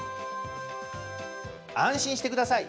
安心してください。